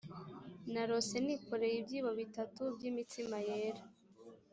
narose nikoreye ibyibo bitatu by imitsima yera